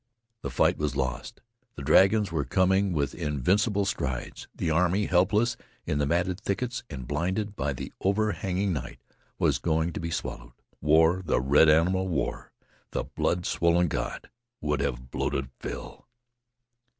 The fight was lost. The dragons were coming with invincible strides. The army, helpless in the matted thickets and blinded by the overhanging night, was going to be swallowed. War, the red animal, war, the blood swollen god, would have bloated fill.